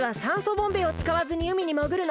ボンベをつかわずにうみにもぐるの。